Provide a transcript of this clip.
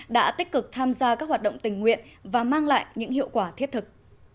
đã tích cực tham gia các hoạt động tình nguyện và mang lại những hiệu quả thiết thực